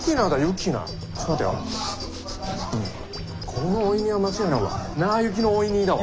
このオイニーは間違いないわ。